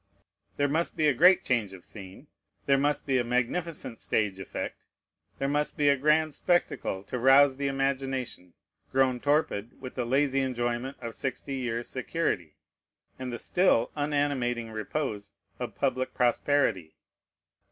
There must be a great change of scene; there must be a magnificent stage effect; there must be a grand spectacle to rouse the imagination, grown torpid with the lazy enjoyment of sixty years' security, and the still unanimating repose of public prosperity.